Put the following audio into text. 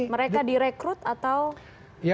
mereka direkrut atau spontanitas